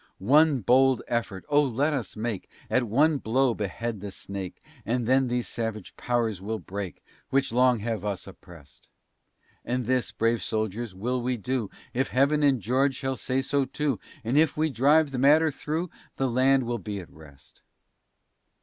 One bold effort, oh, let us make, And at one blow behead the snake, And then these savage powers will break, Which long have us oppress'd. And this, brave soldiers, will we do If Heaven and George shall say so too; And if we drive the matter thro', The land will be at rest.